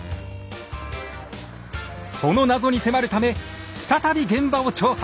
その謎に迫るため再び現場を調査！